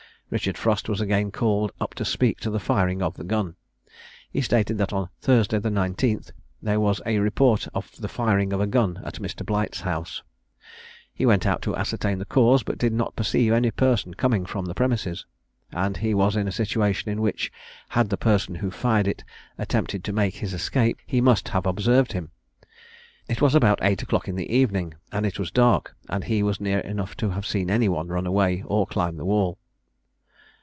Richard Frost was again called up to speak to the firing of the gun. He stated that on Thursday, the 19th, "there was a report of the firing of a gun at Mr. Blight's house;" he went out to ascertain the cause, but did not perceive any person coming from the premises; and he was in a situation in which, had the person who fired it attempted to make his escape, he must have observed him; it was about eight o'clock in the evening, and it was dark; but he was near enough to have seen any one run away, or climb the wall.